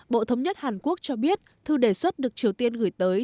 bộ thống nhất hàn quốc cho biết thư đề xuất được triều tiên gửi tới